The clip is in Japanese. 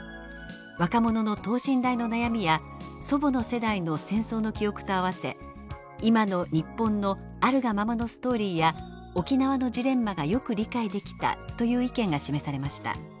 若者の等身大の悩みや祖母の世代の戦争の記憶とあわせ今の日本のあるがままのストーリーや沖縄のジレンマがよく理解できた」という意見が示されました。